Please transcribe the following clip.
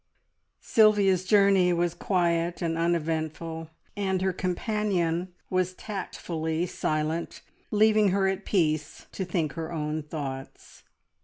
Sylvia's journey was quiet and uneventful, and her companion was tactfully silent, leaving her at peace to think her own thoughts.